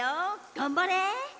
がんばれ！